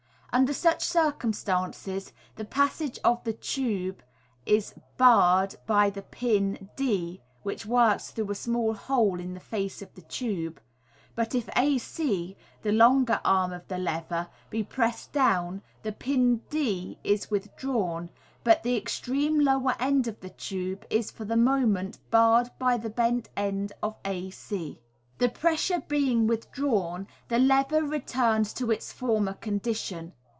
Under such circumstances, the passage of the tube is barred by the pin d (which works through a small hole in the face of the tube) ; but if ac, the longer arm of the lever, be pressed down, the pin d is withdrawn, but the extreme lower end of the tube is for the mo ment barred by the bent end of ac. The pressure being withdrawn, the lever returns to its former condition.